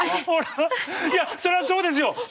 そりゃそうですよ！